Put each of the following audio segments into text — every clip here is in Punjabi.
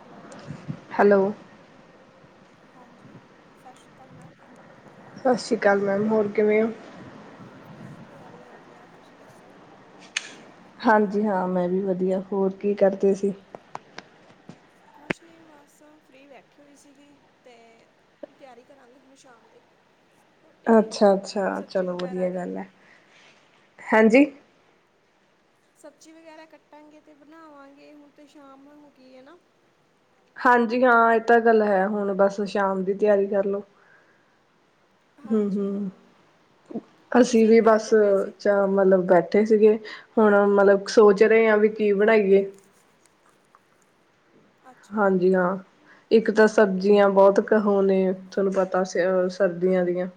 ਹੈਲੋ, ਹੈਲੋ ਹਾਂਜੀ, ਸਸ਼੍ਰੀ ਅਕਾਲ, ਮੈਮ ਸਸ਼੍ਰੀ ਅਕਾਲ ਮੈਮ ਹੋਰ ਕਿਵੇਂ ਓ? ਵਧੀਆ ਵਧੀਆ ਤੁਸੀਂ ਦੱਸੋ ਹਾਂਜੀ, ਹਾਂ ਮੈਂ ਵੀ ਵਧੀਆ ਹੋਰ ਕੀ ਕਰਦੇ ਸੀ? ਕੁਛ ਨੀ ਬਸ ਫ੍ਰਰੀ ਬੈਠੀ ਹੋਈ ਸੀਗੀ ਤੇ ਤਿਆਰੀ ਕਰਾਂਗੇ ਹੁਣ ਸ਼ਾਮ ਦੀ ਰੋਟੀ ਦੀ ਅੱਛਾ-ਅੱਛਾ ਸਬਜ਼ੀ ਚਲੋ ਵਗੈਰਾ ਵਧੀਆ ਦੀ ਗੱਲ ਐ ਹੈਂਜੀ ਸਬਜ਼ੀ ਵਗੈਰਾ ਕੱਟਾਂਗੇ ਤੇ ਬਣਾਵਾਂਗੇ ਹੁਣ ਤਾਂ ਸ਼ਾਮ ਉਈ ਮੁਕੀ ਐ ਨਾ ਹਾਂਜੀ ਹਾਂ ਐ ਤਾਂ ਗੱਲ ਹੈ ਹੁਣ ਬਸ ਸ਼ਾਮ ਦੀ ਤਿਆਰੀ ਕਰਲੋ। ਹਾਂਜੀ ਹਾਂ ਹੂੰ-ਹੂੰ ਅਸੀਂ ਤੁਸੀਂ ਕੀ ਵੀ ਬਸ ਕਰਦੇ ਪਏ ਸੀ ਚਾ ਮਤਲਬ ਬੈਠੇ ਸੀਗੇ ਹੁਣ ਮਤਲਬ ਸੋਚ ਰੇ ਆ ਵੀ ਕੀ ਬਣਾਈਏ? ਅੱਛਾ ਹਾਂਜੀ ਹਾਂ। ਇੱਕ ਤਾਂ ਸਬਜ਼ੀਆਂ ਬੋਤ ਕਹੋ ਨੇ ਤੁਹਾਨੂੰ ਪਤਾ ਸਰਦੀਆਂ ਦੀਆਂ।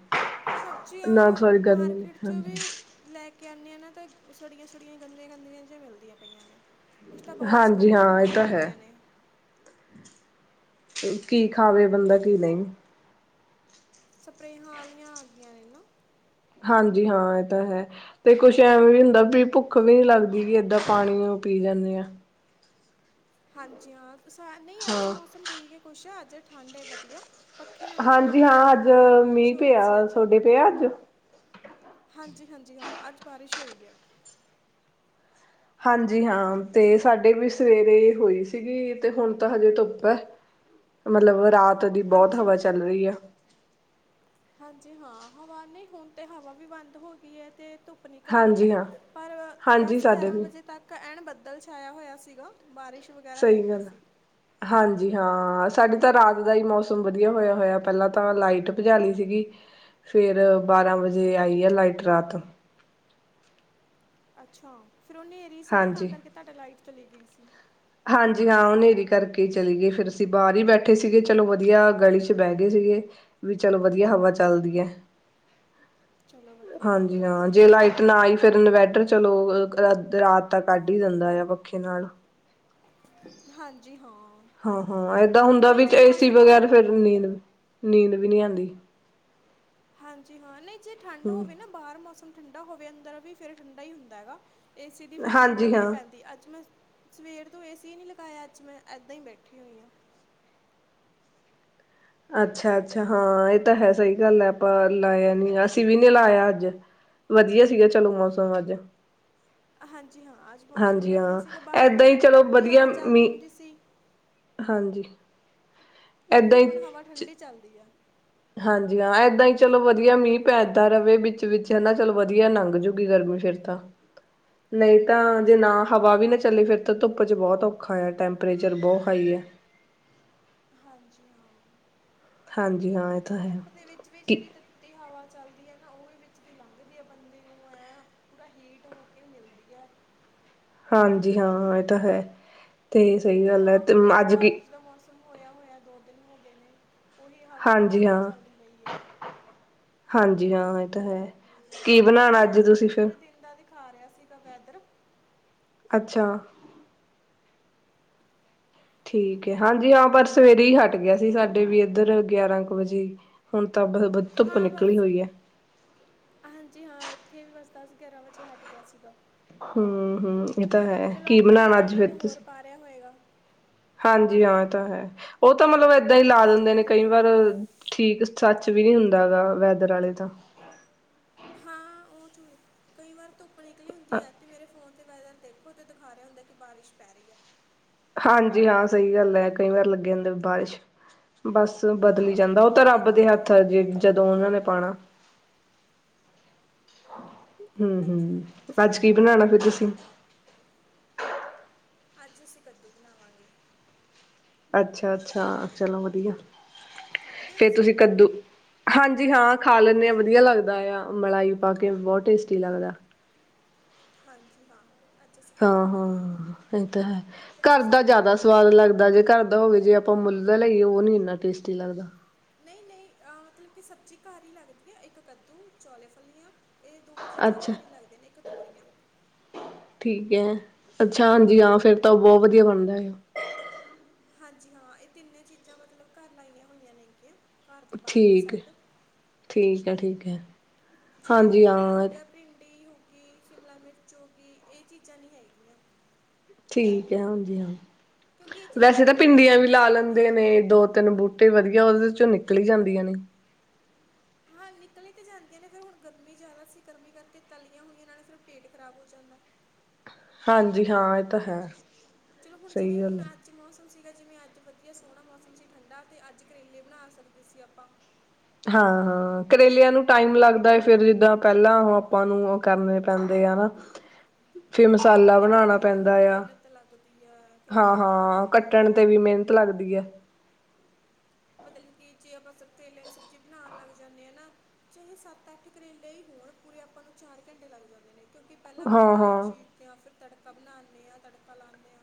ਸਬਜ਼ੀਆਂ ਨਾ ਸੋਰੀ ਗਰਮੀ ਮਾਰਕਿਟ ਚ ਹਾਂਜੀ ਵੀ ਲੈ ਕੇ ਆਨੇ ਆ ਨਾ ਤਾਂ ਸੜੀਆਂ-ਸੜੀਆਂ ਗੰਦੀਆਂ-ਗੰਦੀਆਂ ਜੀਆਂ ਮਿਲਦੀਆਂ ਪਈਆਂ ਨੇ। ਕੁਛ ਤਾਂ ਬਾਰਿਸ਼ ਹਾਂਜੀ ਕਰਕੇ ਹਾਂ ਇਹ ਖ਼ਰਾਬ ਤਾਂ ਹੈ। ਹੋਗੀਆਂ ਨੇ। ਕੀ ਖਾਵੇ ਬੰਦਾ ਕੀ ਨਈ ਸਪਰੇਹਾਂ ਆਲੀਆਂ ਆਗੀਆਂ ਨੇ ਨਾ। ਹਾਂਜੀ ਹਾਂ ਏ ਤਾਂ ਹੈ। ਤੇ ਕੁਛ ਐਵੇ, ਵੀ ਹੁੰਦਾ ਵੀ ਭੁੱਖ ਵੀ ਨੀ ਲੱਗਦੀ ਕਿ ਏਦਾਂ ਪਾਣੀ ਪੀ, ਜਾਂਦੇ ਆ। ਹਾਂਜੀ, ਹਾਂ ਸਾ ਨਈ ਅੱਜ ਹਾਂ ਮੌਸਮ ਠੀਕ ਐ ਕੁਛ ਅੱਜ ਠੰਡ ਐ ਵਧੀਆ ਪੱਖੇ ਨਾਲ ਈ ਨਾ ਹਾਂਜੀ ਠੰਢ ਹਾਂ ਲੱਗਦੀ ਅੱਜ ਪਈ ਐ ਬਾਰਿਸ਼ ਮੀਂਹ ਹੋ ਗਈ ਪਿਆ ਸੀ ਅੱਜ। ਤੁਹਾਡੇ ਪਿਆ ਅੱਜ ਹਾਂਜੀ, ਹਾਂਜੀ, ਹਾਂ ਅੱਜ ਬਾਰਿਸ਼ ਹੋਈ ਐ। ਹਾਂਜੀ, ਹਾਂ ਤੇ ਸਾਡੇ ਵੀ ਸਵੇਰੇ ਹੋਈ ਸੀਗੀ ਤੇ ਹੁਣ ਤਾਂ ਹਜੇ ਧੁੱਪ ਐ। ਮਤਲਬ, ਰਾਤ ਦੀ ਬੋਤ ਹਾਂਜੀ ਹਵਾ ਚੱਲ ਰਈ ਐ। ਹਾਂਜੀ, ਹਾਂ ਹਵਾ ਨਈ ਹੁਣ ਤੇ ਹਵਾ ਵੀ ਬੰਦ ਹੋ ਗਈ ਐ ਤੇ ਧੁਪ ਨਿਕਲ ਆਈ ਐ ਹਾਂਜੀ ਹਾਂ ਪਰ ਹਾਂਜੀ ਦਸ ਸਾਡੇ ਗਿਆਰਾਂ ਵੀ ਵਜੇ ਤੱਕ ਐਨ ਬੱਦਲ ਛਾਇਆ ਹੋਇਆ ਸੀਗਾ। ਬਾਰਿਸ਼ ਵਗੈਰਾ ਸਹੀ ਹੈਗੀ ਗੱਲ ਸੀ। ਹਾਂਜੀ, ਹਾਂ ਸਾਡੀ ਤਾਂ ਰਾਤ ਦਾ ਈ ਮੌਸਮ ਵਧੀਆ ਹੋਇਆ, ਹੋਇਆ ਪਹਿਲਾਂ ਤਾਂ ਲਾਈਟ ਭਜਾ ਲੀ ਸੀਗੀ। ਫ਼ੇਰ ਬਾਰ੍ਹਾਂ ਵਜੇ ਆਈ ਆ ਲਾਈਟ ਰਾਤ ਅੱਛਾ, ਫਿਰ ਉਹ ਹਨੇਰੀ ਸੀ ਨਾ, ਤਾਂ ਹਾਂਜੀ ਕਰਕੇ ਤੁਹਾਡੇ ਲਾਈਟ ਚਲੀ ਗਈ ਸੀ। ਹਾਂਜੀ, ਹਾਂ ਹਨੇਰੀ ਕਰਕੇ ਚਲੀ ਗਈ, ਫਿਰ, ਅਸੀਂ ਬਾਹਰ ਹੀ ਬੈਠੇ ਸੀਗੇ ਚਲੋ, ਵਧੀਆ ਗਲੀ ਚ ਬਹਿ ਗਏ ਸੀਗੇ। ਵੀ ਚਲੋ, ਵਧੀਆ, ਹਵਾ ਚਲਦੀ ਹੈ। ਚਲੋ ਵਧੀਆ ਹਾਂਜੀ, ਕੀਤਾ ਹਾਂ ਜੇ ਲਾਈਟ। ਨਾ ਆਈ ਫਿਰ, ਇਨਵੈਟਰ ਚਲੋ ਰਾਤ, ਤਾਂ ਕੱਢ ਹੀ ਦਿੰਦਾ ਆ, ਪੱਖੇ ਨਾਲ। ਹਾਂਜੀ, ਹਾਂ ਹਾਂ -ਹਾਂ, ਏਦਾਂ ਹੁੰਦਾ ਨਹੀਂ ਵੀ, ਜੇ ਏਸੀ ਮੌਸਮ ਬਗੈਰ, ਬਾਹਰ ਫੇਰ ਨੀਂਦ, ਨੀਂਦ ਵੀ ਨਹੀਂ ਆਉਂਦੀ। ਹਾਂਜੀ, ਹਾਂ ਨਹੀਂ ਜੇ ਠੰਡ ਹਮ ਹੋਵੇ ਨਾ ਬਾਹਰ, ਮੌਸਮ ਠੰਡਾ ਹੋਵੇ, ਅੰਦਰ ਵੀ ਫਿਰ, ਠੰਡਾ ਹੀ ਹੁੰਦਾ ਹੈਗਾ। ਏਸੀ ਦੀ, ਫਿਰ ਹਾਂਜੀ ਜ਼ਰੂਰਤ ਨਹੀਂ ਹਾਂ ਪੈਂਦੀ। ਅੱਜ ਮੈਂ ਸਵੇਰ ਤੋਂ, ਏਸੀ ਨਹੀਂ ਲਗਾਇਆ, ਅੱਜ ਮੈਂ ਇੱਦਾਂ ਹੀ ਬੈਠੀ ਹੋਈ ਹਾਂ। ਅੱਛਾ, ਅੱਛਾ ਹਾਂ ਇਹ ਤਾਂ ਹੈ। ਸਹੀ ਗੱਲ ਆਪਾਂ, ਲਾਇਆ ਨੀ, ਅਸੀਂ ਵੀ ਨੀ ਲਾਇਆ, ਅੱਜ ਵਧੀਆ ਸੀਗਾ, ਚਲੋ ਮੌਸਮ, ਅੱਜ ਹਾਂਜੀ, ਹਾਂ, ਅੱਜ ਮੌਸਮ, ਹਾਂਜੀ ਵਧੀਆ ਹਾਂ ਸੀਗਾ, ਬਾਹਰ ਏਦਾਂ ਵੀ ਹੀ ਜਿਹੜੀ ਚਲੋ ਤੱਤੀ ਵਧੀਆ ਹਵਾ ਚੱਲਦੀ ਮੀਂਹ ਹੁੰਦੀ ਸੀ। ਹਾਂਜੀ, ਉਹ, ਏਦਾਂ ਵੀ ਹੀ ਹੁਣ ਹਵਾ, ਚ- ਠੰਡੀ ਚੱਲਦੀ ਹੈ। ਹਾਂਜੀ, ਹਾਂ ਏਦਾਂ ਹੀ ਚਲੋ, ਵਧੀਆ, ਮੀਂਹ ਪੈਦਾ ਰਹੇ, ਵਿੱਚ ਵਿੱਚ ਹਨਾ ਚਲੋ, ਵਧੀਆ, ਲੰਘ ਜੂਗੀ ਗਰਮੀ, ਫਿਰ ਤਾਂ ਨਹੀਂ ਤਾਂ ਜੇ ਹਾਂਜੀ ਨਾ, ਹਾਂ ਹਵਾ ਵੀ ਨਾ ਚੱਲੇ ਫਿਰ ਤੇ ਧੁੱਪ 'ਚ ਬਹੁਤ ਔਖਾ ਹੈ, ਟੈਂਪਰੇਚਰ ਬਹੁਤ ਹਾਈ ਹੈ। ਹਾਂਜੀ, ਹਾਂ। ਹਾਂਜੀ, ਹਾਂ। ਤਾਂ ਹੈ ਧੁੱਪ, ਦੇ ਵਿੱਚ ਵੀ ਕਿ ਜਿਹੜੀ ਤੱ ਤੀ, ਹਵਾ ਚੱਲਦੀ ਹੈ ਨਾ, ਉਹ ਵੀ ਵਿੱਚ ਦੀ ਲੰਘਦੀ ਆ ਬੰਦੇ ਨੂੰ, ਐ ਪੂਰਾ ਹੀਟ ਹੋ ਕੇ ਮਿਲਦੀ ਹੈ। ਹਾਂਜੀ ਹਾਂ, ਇਹ ਤਾਂ ਹੈ, ਤੇ ਸਹੀ ਉਹੀ ਗੱਲ ਹੈ। ਹਵਾ ਤੇ ਹੁਣ ਦੇਖੋ ਅੱਜ ਕੀ ਬਾਰਿਸ਼ ਦਾ ਮੌਸਮ ਹੋਇਆ -ਹੋਇਆ ਦੋ ਦਿਨ ਹੋ ਗਏ ਨੇ, ਉਹੀ ਹਵਾ ਹੁਣ ਹਾਂਜੀ ਠੰਡੀ ਹਾਂ। ਚੱਲਦੀ ਪਈ ਏ। ਹਾਂਜੀ, ਹਾਂ ਇਹ ਤਾਂ ਹੈ। ਕੀ ਬਣਾਉਣਾ ਵੈਸੇ, ਅੱਜ ਦਾ ਤੁਸੀਂ ਤੇ ਫਿਰ ਪੂਰੇ ਦਿਨ ਦਾ ਦਿਖਾ ਰਿਹਾ ਸੀਗਾ ਵੈਦਰ ਅੱਛਾ। ਠੀਕ ਹੈ, ਹਾਂਜੀ, ਹਾਂ, ਪਰ ਸਵੇਰੇ ਹੀ ਹਟ ਗਿਆ ਸੀ। ਸਾਡੇ ਵੀ ਇੱਧਰ ਗਿਆਰਾਂ ਕੁ ਵਜੇ। [unintelligible] ਹਾਂ ਬਸ, ਹੋਈ ਹੈ ਹਾਂਜੀ, ਹਾਂ ਇੱਥੇ ਵੀ ਬਸ ਦਸ, ਗਿਆਰਾਂ ਵਜੇ, ਹਟ ਗਿਆ ਸੀਗਾ। ਹਮ -ਹਮ, ਇਹ ਤਾਂ ਹੈ, ਚਲੋ ਕੀ ਆਪਣੇ ਬਨਾਣਾ ਨਹੀਂ ਅੱਜ, ਫਿਰ ਕਿਤੇ ਹੋਰ ਤੁਸੀਂ? ਪਾ ਰਿਹਾ ਹੋਏਗਾ ਹਾਂਜੀ, ਹਾਂ ਇਹ ਤਾਂ ਹੈ। ਉਹ ਤਾਂ ਮਤਲਬ ਏਦਾਂ ਹੀ ਲਾ ਦਿੰਦੇ ਨੇ, ਚੱਲਦਾ ਹੀ ਕਈ ਆ ਵਾਰ। ਠੀਕ, ਸੱਚ ਵੀ ਨਹੀਂ ਹੁੰਦਾ ਹੈਗਾ, ਵੈਦਰ ਵਾਲੇ ਦਾ। ਹਾਂ, ਉਹ ਚ ਕਈ ਵਾਰ ਧੁੱਪ ਨਿਕਲੀ ਹੁੰਦੀ ਹੈ। ਅਤੇ ਮੇਰੇ ਫੋਨ, ਵੈਦਰ ਦੇਖੋ ਤੇ, ਦਿਖਾ ਰਿਹਾ ਹੁੰਦਾ। ਕਿ, ਬਾਰਿਸ਼ ਪੈ ਰਹੀ ਹੈ ਹਾਂਜੀ, ਹਾਂ ਸਹੀ ਗੱਲ ਹੈ ਕਈ ਵਾਰ, ਲੱਗੇ ਰਹਿੰਦੇ ਬਾਰਿਸ਼, ਬਸ ਬਦਲੀ ਜਾਂਦਾ, ਉਹ ਤਾਂ, ਇਹ ਰੱਬ ਦੇ ਝੂਠੇ ਹੱਥ ਹੈ, ਹੁੰਦੇ ਹਜੇ ਨੇ ਵੀ ਜਦੋਂ, ਉਹਨਾਂ, ਨੇ ਪਾਉਣਾ‌। ਹਾਂਜੀ ਹਮ-ਹਮ, ਹਾਂ ਸਹੀ ਅੱਜ ਕੀ ਗੱਲ ਬਣਾਉਣਾ ਹੈ ਫਿਰ, ਤੁਹਾਡੀ ਤੁਸੀਂ? ਅੱਜ, ਅਸੀਂ, ਕੱਦੂ ਬਣਾਵਾਂਗੇ। ਅੱਛਾ-ਅੱਛਾ, ਚਲੋ ਵਧੀਆ, ਫਿਰ ਤੁਸੀਂ ਕੱਦੂ ਹਾਂਜੀ ਹਾਂ ਖਾ ਲੈਂਦੇ ਹਾਂ, ਵਧੀਆ ਲੱਗਦਾ ਆ, ਮਲਾਈ ਪਾ ਕੇ ਬਹੁਤ ਟੇਸਟੀ ਲੱਗਦਾ। ਹਾਂਜੀ, ਹਾਂ। ਅੱਜ ਅਸੀਂ ਕੱਦੂ ਹਾਂ- ਬਣਾਵਾਂਗੇ ਹਾਂ ਇਹ ਤਾਂ ਹੈ, ਅਤੇ ਘਰ ਦਾ ਤੁਸੀਂ ਜ਼ਿਆਦਾ ਸਵਾਦ ਲੱਗਦਾ, ਜੇ ਘਰ ਦਾ ਹੋਵੇ, ਜੇ ਆਪਾਂ ਮੁੱਲ ਦਾ ਲਿਆਈਏ, ਉਹ ਨੀ ਇੰਨਾ ਟੇਸਟੀ ਲੱਗਦਾ। ਨਹੀਂ- ਨਹੀਂ, ਮਤਲਬ ਕਿ ਸਬਜ਼ੀ ਘਰ ਹੀ ਲੱਗਦੀ ਆ ਇੱਕ ਕੱਦੂ, ਚੌਲੇਫਲੀਆਂ ਇਹ ਦੋ ਚੀਜ਼ਾਂ, ਅੱਛਾ ਘਰ ਹੀ ਲੱਗਦੀਆਂ ਨੇ, ਇਕ ਤੋਰੀਆਂ ਠੀਕ ਹੈ, ਅੱਛਾ ਹਾਂਜੀ ਹਾਂ, ਫੇਰ ਤਾਂ, ਉਹ ਬਹੁਤ ਵਧੀਆ ਬਣਦਾ ਹੈ। ਹਾਂਜੀ ਹਾਂ, ਇਹ ਤਿੰਨੇ ਚੀਜ਼ਾਂ ਮਤਲਬ, ਘਰ ਲਾਈਆਂ ਹੋਈਆਂ ਨੇਗੀਆਂ। ਘਰ ਦੇ ਬਾਹਰਲੀ ਠੀਕ ਸਾਈਡ -ਠੀਕ ਹੈ, ਠੀਕ ਹੈ। ਜਿਵੇਂ, ਹਾਂਜੀ ਕਰੇਲਾ ਹੋ ਹਾਂ ਗਿਆ, ਭਿੰਡੀ ਹੋ ਗਈ ਸ਼ਿਮਲਾ ਮਿਰਚ ਹੋ ਗਈ, ਇਹ ਚੀਜ਼ਾਂ ਨਹੀਂ ਹੈਗੀਆਂ। ਠੀਕ ਐ, ਹਾਂਜੀ ਹਾਂ ਕਿਉਂਕਿ ਇਹ ਚੀਜ਼ਾਂ ਵੈਸੇ ਤਾਂ ਖਾਧੀਆਂ ਭਿੰਦੀਆਂ ਨਹੀਂ ਵੀ ਨਾ ਲਾ ਜਾਂਦੀਆਂ ਲੈਂਦੇ ਹੈਗੀਆਂ ਨੇ ਦੋ ਤਿੰਨ ਬੂਟੇ ਤੇ ਵਧੀਆ ਉਦੇ ਚੋਂ ਨਿਕਲੀ ਜਾਂਦੀਆਂ ਨੇ ਹਾਂ ਨਿਕਲੀ ਤਾਂ ਜਾਂਦੀਆਂ ਨੇ ਫਿਰ ਹੁਣ ਗਰਮੀ ਜ਼ਿਆਦਾ ਸੀ ਗਰਮੀ ਕਰਕੇ ਤਲੀਆਂ ਹੋਈਆਂ ਨਾਲ ਫਿਰ ਪੇਟ ਖਰਾਬ ਹੋ ਜਾਂਦਾ। ਹਾਂਜੀ ਹਾਂ ਏ ਤਾਂ ਹੈ। ਚਲੋ ਹੁਣ ਜਿਵੇਂ ਸਹੀ ਗੱਲ ਹੁਣ ਹੈ। ਅ ਜ ਮੌਸਮ ਸੀਗਾ ਜਿਵੇਂ ਅੱਜ ਵਧੀਆ ਸੋਹਣਾ ਮੌਸਮ ਸੀ ਠੰਡਾ ਤੇ ਅੱਜ ਕਰੇਲੇ ਬਣਾ ਸਕਦੇ ਸੀ ਆਪਾਂ ਹਾਂ, ਹਾਂ ਕਰੇਲਿਆਂ ਨੂੰ ਟਾਈਮ ਲੱਗਦਾ ਐ ਫਿਰ ਜਿੱਦਾਂ ਪਹਿਲਾਂ ਉਹ ਆਪਾਂ ਨੂੰ ਉਹ ਕਰਨੇ ਪੈਂਦੇ ਆ ਨਾ। [unintelligible] ਫਿਰ ਉਹ ਮਸਾਲਾ ਤੇ ਬੜਾ ਬਣਾਣਾ ਹੀ ਪੈਂਦਾ ਆ ਮਿਹਨਤ ਲੱਗਦੀ ਆ ਹਾਂ, ਕਰੇਲੇ ਬਣਾਉਣ ਹਾਂ ਲੱਗਿਆਂ ਕੱਟਣ ਤੇ ਵੀ ਮੇਨ ਤ ਲੱਗਦੀ ਐ। ਮਤਲਬ ਕਿ ਜੇ ਆਪਾਂ ਸਭ ਤੇਲਾਂ ਦੀ ਸਬਜ਼ੀ ਬਣਾਣ ਲੱਗ ਜਾਂਨੇ ਅ ਨਾ। ਚਾਹੇ ਸੱਤ ਅੱਠ ਕਰੇਲੇ ਈ ਹੋਣ ਪੂਰੇ ਆਪਾਂ ਨੂੰ ਚਾਰ ਘੰਟੇ ਲੱਗ ਜਾਂਦੇ ਨੇ ਕਿਉਂਕਿ ਪੈਲਾਂ ਆਪਾ ਹਾਂ ਪਿਆਜ਼ ਹਾਂ ਚੀਰਦੇ ਆ ਫਿਰ ਤੜਕਾ ਬਣਾਨੇ ਆ ਤੜਕਾ ਲਾਨੇ ਆ।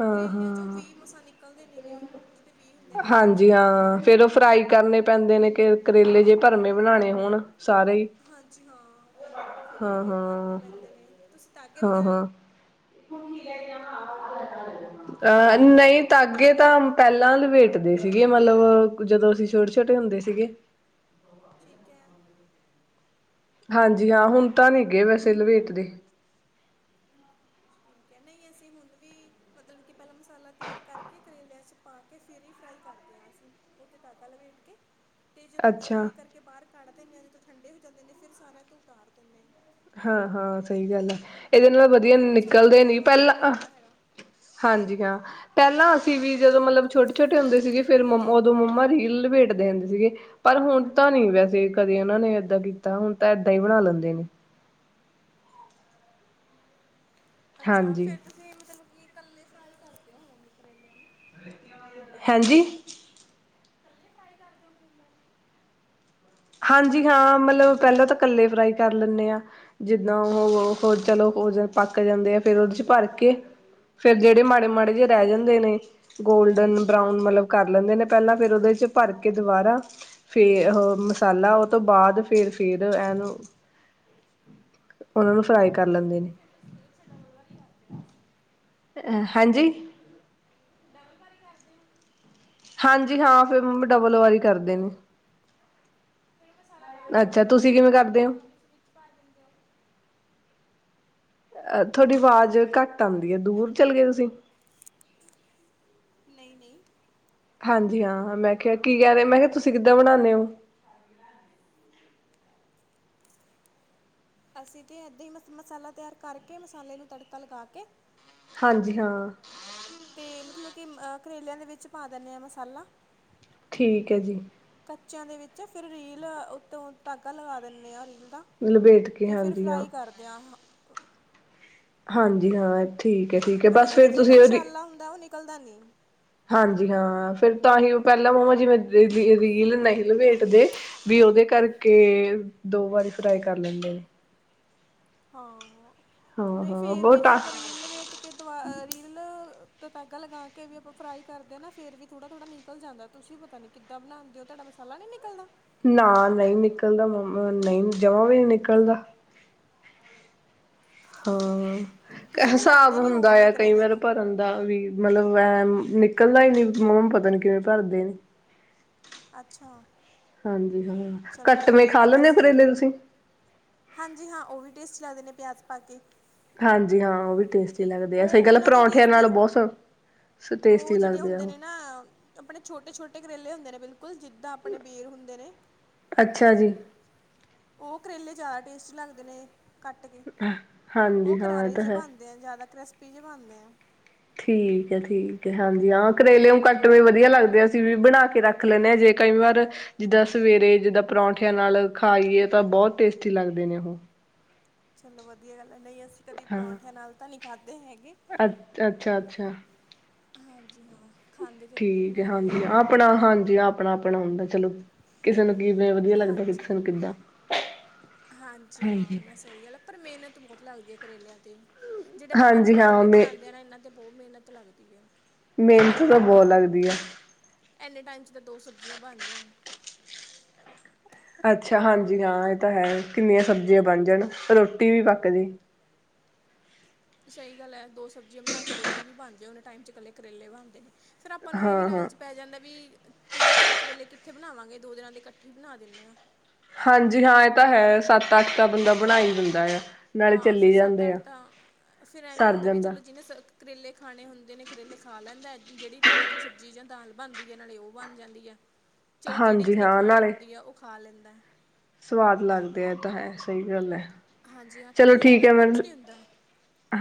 ਹਾਂ ਕਰੇਲਿਆਂ ਚੋ ਹਾਂ ਵੀ ਮਸਾਂ ਨਿਕਲਦੇ ਨੇਗੇ ਜਿਦੇ ਬੀ ਹੁੰਦੇ ਨੇ ਵਿ ਜੀ ਹਾਂ, ਫੇਰ ਉਹ ਫਰਾਈ ਕਰਨੇ ਪੈਂਦੇ ਨੇ ਕਰੇਲੇ ਜੇ ਭਰਮੇ ਬਣਾਣੇ ਹੋਣ। ਸਾਰੇ ਈ ਹਾਂਜੀ ਹਾਂ ਫਿਰ ਹਾਂ, ਕਰੇਲੇ ਭਰਨੇ ਹਾਂ, ਪੈਂਦੇ ਨੇ ਤੁਸੀਂ ਤਾਗੇ ਹਾਂ, ਵਗੈਰਾ ਹਾਂ। [inaudible] [unintelligible] ਅ ਨਈ ਤਾਂਗੇ ਤਾਂ ਪਹਿਲਾਂ ਲਵੇਟਦੇ ਸੀਗੇ ਮਤਲਬ ਜਦੋਂ ਅਸੀਂ ਛੋਟੇ। ਛੋਟੇ ਹੁੰਦੇ ਸੀਗੇ। ਠੀਕ ਐ। ਹਾਂਜੀ ਹਾਂ, ਹੁਣ ਤਾਂ ਨੀ ਗੇ ਵੈਸੇ ਲਵੇਟਦੇ। ਕਹਿੰ ਨਈ ਅਸੀਂ ਹੁਣ ਵੀ ਮਤਲਬ ਕਿ ਪੈਲਾਂ ਮਸਾਲਾ ਤਿਆਰ ਕਰਕੇ ਕਰੇਲਿਆਂ 'ਚ ਪਾ ਕੇ ਫਿਰ ਈ ਫਰਾਈ ਕਰਦੇ ਆ ਅਸੀਂ। ਓਤੇ ਧਾਗਾ ਲਵੇਟ ਕੇ। ਤੇ ਜਦੋਂ ਅੱਛਾ ਫਰਾਈ ਕਰਕੇ ਬਾਰ ਕੱਢ ਦਿੰਨੇ ਆ ਜਦੋਂ ਠੰਡੇ ਹੋ ਜਾਂਦੇ ਨੇ ਫਿਰ ਸਾਰਿਆਂ ਤੋ ਉਤਾਰ ਦਿੰਨੇ ਆ। ਹਾਂ-ਹਾਂ ਸਈ ਗੱਲ ਐ। ਐਦੇ ਨਾਲ ਉਹ ਵਧੀਆ ਫਿਰ ਮਸਾਲਾ ਨਿਕਲਦੇ ਨੀ ਵਗੈਰਾ ਬਾਹਰ ਨਹੀਂ ਪਹਿਲਾਂ ਅਹ੍ਹ। ਨਿਕਲਦਾ ਹੈਗਾ ਹਾਂਜੀ ਹਾਂ। ਪੈਲਾਂ ਅਸੀਂ ਵੀ ਜਦੋਂ ਮਤਲਬ ਛੋਟੇ ਛੋਟੇ ਹੁੰਦੇ ਸੀਗੇ ਫਿਰ ਮਮ ਉਦੋਂ ਮੰਮਾ ਰੀਲ ਲਪੇਟਦੇ ਹੁੰਦੇ ਸੀਗੇ। ਪਰ ਹੁਣ ਤਾਂ ਨੀ ਵੈਸੇ ਕਦੇ ਓਨਾਂ ਨੇ ਏਦਾਂ ਕੀਤਾ ਹੁਣ ਤਾਂ ਏਦਾਂ ਈ ਬਣਾ ਲੈਂਦੇ ਨੇ ਅੱਛਾ ਹਾਂਜੀ ਫੇਰ ਤੁਸੀਂ ਮਤਲਬ ਕਿ ਕੱਲੇ ਫਰਾਈ ਕਰਦੇ ਹੋਵਗੇ ਕਰੇਲੇ ਹਨਾ ਹਾਂਜੀ। ਇਕੱਲੇ ਫਰਾਈ ਕਰਦੇ ਓ ਕਰੇਲਿਆ ਨੂੰ ਹਾਂਜੀ ਹਾਂ ਮਤਲਵ ਪਹਿਲਾਂ ਤਾਂ ਕੱਲੇ ਫਰਾਈ ਕਰ ਲੈਂਨੇ ਆ। ਜਿੱਦਾਂ ਉਹ ਹੋ ਚਲੋ ਹੋ ਜਾਨ ਪੱਕ ਜਾਂਦੇ ਆ ਫੇਰ ਓਦ ਚ ਭਰ ਕੇ ਫੇਰ ਜੇੜੇ ਮਾੜੇ, ਮਾੜੇ ਜੇ ਰੈ ਜਾਂਦੇ ਨੇ ਗੋਲਡਨ ਬਰਾਉਨ ਮਤਲਬ ਕਰ ਲੈਂਦੇ ਨੇ ਪੈਲਾਂ ਫੇਰ ਓਦੇ ਚ ਭਰ ਕੇ ਦੁਬਾਰਾ ਫੇ ਉਹ ਮਸਾਲਾ ਉਹ ਤੋਂ ਬਾਅਦ ਫਿਰ, ਫਿਰ ਇਹਨੂੰ ਉਨਾਂ ਨੂੰ ਫਰਾਈ ਕਰ ਅੱਛਾ ਲੈਂਦੇ ਨੇ ਫਿਰ ਤੁਸੀਂ ਅੱਛਾ ਡਬਲ ਵਾਰੀ ਕਰਦੇ ਹੋ ਤੁਸੀਂ ਹਾਂਜੀ। ਡਬਲ ਵਾਰੀ ਕਰਦੇ ਓ। ਹਾਂਜੀ ਹਾਂ, ਫਿਰ ਮੰਮੀ ਡਬਲ ਵਾਰੀ ਕਰਦੇ ਨੇ। ਫਿਰ ਮਸਾਲਾ ਬਾਰ ਨੀ ਅੱਛਾ ਨਿਕਲਦਾ ਤੁਸੀਂ ਤਾਡਾ ਕਿਵੇਂ ਜਿੱ ਕਰਦੇ ਹੋ ਮਸਾਲਾ ਤੁਸੀਂ ਵਿੱਚ ਭਰ ਦਿੰਦੇ ਓ। ਅ ਥੁਆਡੀ ਵਾਜ਼ ਘੱਟ ਆਉਂਦੀ ਐ ਦੂਰ ਚੱਲੇ ਗਏ ਤੁਸੀਂ। ਨਈ-ਨਈ। ਹਾਂਜੀ ਹਾਂ ਹਾਂ ਮੈਂ ਕਿਆ ਕੀ ਕੈ ਰੇ ਮੈਂ ਕਿਆ ਤੁਸੀਂ ਕਿੱਦਾਂ ਬਣਾਨੇ ਓ। ਅਸੀਂ 'ਤਾਂ ਇੱਦਾਂ ਈ ਮਸ ਮਸਾਲਾ ਤਿਆਰ ਕਰਕੇ ਮਸਾਲੇ ਨੂੰ ਤੜਕਾ ਲਗਾ ਕੇ। ਹਾਂ ਜੀ, ਹਾਂ। ਤੇ ਮਤਲਬ ਕਿ ਅ, ਕਰੇਲਿਆਂ ਦੇ ਵਿੱਚ ਪਾ ਦਿੰਨੇ ਆ ਮਸਾਲਾ। ਠੀਕ ਐ ਜੀ। ਕੱਚਿਆਂ ਦੇ ਵਿੱਚ ਫਿਰ ਰੀਲ ਉੱਤੋਂ ਧਾਗਾ ਲਗਾ ਦੀਨੇ ਆ ਰੀਲ ਦਾ। ਲਪੇਟ ਕੇ ਤੇ ਫੇਰ ਹਾਂਜੀ ਹਾਂ ਫ੍ਰਾਈ ਕਰਦੇਆਂ ਆਂ, ਹਾ ਹਾਂਜੀ, ਹਾਂ ਏ ਫੇਰ ਓਦੇ ਵਿੱਚ ਜੇੜਾ ਮਸਾਲਾ ਹੁੰਦਾ, ਓ ਨਿਕਲਦਾ ਨੀ। ਹਾਂਜੀ ਹਾਂ, ਫੇਰ ਤਾਂ ਹੀ ਅ ਪੈਲਾਂ ਮੰਮਾ ਜਿਵੇਂ ਰੀ, ਰੀਲ ਨਹੀਂ ਲਪੇਟਦੇ ਵੀ ਓਦੇ ਕਾਰਕੇ, ਦੋ ਵਾਰੀ ਫ੍ਰਾਈ ਕਾਰ ਲੈਂਦੇ ਨੇ। ਹਾਂ, ਹਾਂ ਨਈ ਹਾਂ ਫੇਰ ਵੀ ਬਹੁਤ ਜੇ ਟਾ ਆਪਾਂ ਰੀਲ ਲਵੇਟ ਕ ਕੇ ਦਵਾ ਰੀਲ, ਤੇ ਤਾਗਾ ਲਗਾ ਕੇ ਵੀ ਆਪਾਂ ਫ੍ਰਾਈ ਕਾਰਦੇ ਆ ਨਾ ਫੇਰ ਵੀ ਥੋੜਾ-ਥੋੜਾ ਨੀਕ ਨਿਕਲ ਜਾਂਦਾ ਤੁਸੀਂ ਪਤਾ ਨਈ ਕਿੱਦਾਂ ਬਨਾਂਦੇ ਓ, ਤੁਆਡਾ ਮਸਾਲਾ ਨੀ ਨਿਕਲਦਾ? ਨਾ, ਨਈ ਨਿਕਲਦਾ ਮੰਮ ਨਈ ਜਮਾ ਵੀ ਨ ਨਿਕਲਦਾ। ਹਾਂ, ਐ ਤੁਸੀਂ ਹਸਾਬ ਹਿਲਾਉਂਦੇ ਨਹੀਂ ਹੁੰਦਾ ਹੋਵੋਗੇ ਯਾ ਕਈ ਕਰੇਲੇ ਵਾਰ ਨੂੰ ਭਰਨ ਦਾ ਵੀ। ਮਲਬ ਐ ਨਿਕਲਦਾ ਈ ਨੀ ਮੰਮ਼ ਪਤਾ ਨ ਕਿਵੇਂ ਭਾਰਦੇ ਨੇ। ਅੱਛਾ ਹਾਂਜੀ ਹਾਂ, ਚਲੋ ਕੱਟ ਮਂ ਵਧੀਆ ਖਾ ਗੱਲ ਲੈਂਦੇ ਓ ਅਸ ਕਰੇਲੇ ਤੁਸੀਂ? ਹਾਂਜੀ ਹਾਂ, ਉਹ ਵੀ ਟੇਸਟੀ ਲੱਗਦੇ ਨੇ ਪਿਆਜ਼ ਪਾ ਕੇ। ਹਾਂਜੀ ਹਾਂ, ਓਵੀ ਟੇਸਟੀ ਲਾਗਦੇ ਸਹੀ ਉਹ ਗਾਲ ਆ ਓ ਜੇੜੇਓ ਹੁੰਦੇ ਉਹ ਨੇ ਨਾ ਆਪਣੇ ਛੋਟੇ-ਛੋਟੇ ਕਰੇਲੇ ਹੁੰਦੇ ਨੇ ਬਿਲਕੁਲ ਜਿੱਦਾਂ ਆਪਣੇ ਬੇਰ ਹੁੰਦੇ ਨੇ ਅਛਾ ਜੀ। ਓ ਕਰੇਲੇ ਜਾਦਾ ਟੇਸਟੀ ਲਾੱਗਦੇ ਨੇ, ਕਾੱਟ ਕੇ ਓ ਹਾਂਜੀ ਹਾਂ ਇਹ ਕਰਾਰੇ ਤਾਂ ਜੇ ਹੈ ਬਾਨ ਜਾਦਾ ਕ੍ਰੇਸਪੀ ਜੇ ਬਾਨਦੇ ਆ। ਠੀਕ ਐ, ਠੀਕ ਐ ਹਾਂਜੀ ਹਾਂ ਕਰੇਲੇ ਓ ਕੱਟਵੇ ਵਦੀਆ ਲਾੱਗਦੇ ਆ ਅਸੀ ਵੀ ਬਣਾ ਕੇ ਰਾੱਖ ਲੈਂਨੇ ਆਂ ਜੇ ਕਈ ਵਾਰ ਜਿੱਦਾਂ ਸਵੇਰੇ ਜਿੱਦਾਂ ਪਰੌਠੇਆਂ ਨਾਲ਼, ਖਾਈਏ ਤਾਂ ਬੋਤ ਟੇਸਟੀ ਲਾੱਗਦੇ ਨੇ ਓਹ। ਚਲੋ ਵਦੀਆ ਗੱਲ ਆ, ਨਈ ਅਸੀ ਕਦੀ ਪਰੌਠੇਆਂ ਨਾਲ ਤਾਂ ਨੀ ਖਾਧੇ ਹੈਗੇ ਅ, ਅੱਛਾ-ਅੱਛਾ। ਹਾਂਜੀ ਹਾਂ, ਖਾਂਦੇ ਤੇ ਰੋਟੀ ਠੀਕ ਹੈ ਨਾਲੀ ਆ ਹਾਂਜੀ ਆਪਣਾ ਹਾਂਜੀ, ਆਪਣਾ-ਆਪਣਾ ਹੁੰਦਾ ਚਲੋ। ਕਿਸੇ ਨੂੰ ਕਿਵੇਂ ਵਦੀਆ ਲੱਗਦਾ ਕਿਸੇ ਹਾਂਜੀ ਨੂੰ ਕਿੱਦਾਂ, ਹਾਂਜੀ ਹਾਂ ਨਾ ਸਹੀ ਗੱਲ ਹੈ ਪਰ ਮੇਨਤ ਬੋਹਤ ਲਾੱਗਦੀ ਆ ਕਰੇਲਿਆਂ ਤੇ, ਜੇੜੇ ਆਪਾਂ ਭਾਰਮੇ ਹਾਂਜੀ ਹਾਂ ਕਰੇਲੇ ਮੇ ਬਣਾਂਦੇ ਆ ਨਾ ਏਨਾਂ ਤੇ ਬੋਤ ਮੇਨਤ ਲਾੱੱਗਦੀ ਆ। ਮੇਨਤ ਤਾ ਬੋਤ ਲਾੱਗਦੀ ਆ। ਐੰਨੇ ਟਾਈਮ ਚ ਤਾ ਦੋ ਸਬਜੀਆਂ ਬਾਨ ਜਾਨ। ਅੱਛਾ ਹਾਂਜੀ ਹਾਂ ਐ ਤਾਂ ਹੈ, ਕਿੰਨੀਆਂ ਸਬਜੀਆਂ ਬਾਣ ਜਾਣ ਰੋਟੀ ਵੀ ਪੱਕਜੇ। ਸਈ ਗੱਲ ਐ, ਦੋ ਸਬਜੀਆਂ ਬਨਾ ਕੇ ਰੋਟੀ ਵੀ ਬਾਨ ਜੇ ਓਨੇ ਟਾਈਮ ਚ ਕੱਲੇ ਕਰੇਲੇ ਬਾਣਦੇ ਨੇ। ਫੇਰ ਆਪਾਂ ਨੂੰ ਏ ਵੀ ਹਾਂ ਹਾਂ ਲਾਲਚ ਪੈ ਜਾਂਦਾ ਵੀ ਤਿੰਨ-ਚਾਰ ਕਰੇਲੇ ਕਿੱਥੇ ਬਨਾਵਾਂਗੇ ਦੋ ਦਿਨਾਂ ਦੇ ਕੱਠੇ ਈ ਬਨਾ ਦਿੰਨੇ ਆ। ਹਾਂਜੀ ਹਾਂ, ਐ ਤਾ ਹੈ ਸੱਤ-ਅੱਠ ਤਾਂ ਬੰਦਾ ਬਣਾ ਈ ਦਿੰਦਾ ਯਾ। ਹਾਂ ਫਿਰ ਸੱਤ-ਅੱਠ ਤਾਂ, ਫਿਰ ਐਵੇਂ ਸਰ ਹੁੰਦਾ ਵੀ ਜਾਂਦਾ ਚਲੋ ਜਿਨੇ ਸ ਕਰੇਲੇ ਖਾਣੇ ਹੁੰਦੇ ਨੇ ਕਰੇਲੇ ਖਾ ਲੈਂਦਾ ਐ, ਜੇੜੀ ਤਾਜੀ ਸਬਜੀ ਜਾਂ ਦਾਲ ਬਾਨਦੀ ਆ ਨਾਲੇ਼ ਓ ਬਾਣ ਜਾਂਦੀ ਐ। ਹ। ਚਲੋ ਜੇੜੀ ਜਿਨੇ ਖਾਣੀ ਹੁੰਦੀ ਆ, ਓਹ ਖਾ ਲੈਂਦਾ ਐ। ਸਵਾਦ ਲਾੱਗਦੇ ਐ ਏ ਤਾ ਹੈ, ਸਈ ਗਾੱਲ ਐ। ਹਾਂਜੀ ਹਾਂ, ਕਰੇਲੇ ਨਾ ਕੁਛ ਨੀ ਹੋਂਦਾ।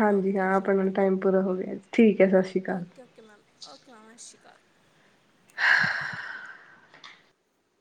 ਹਾਂਜੀ ਹਾਂ, ਆਪਣਾ ਹੁਣ ਟਾਈਮ ਪੂਰਾ ਹੋ ਗੇਆ ਠੀਕ ਐ ਸਸ਼੍ਰੀ ਕਾਲ। ਓਕੇ-ਓਕੇ ਮੈਮ, ਓਕੇ ਮੈਮ ਸਾਸੀ਼ ਕਾਲ।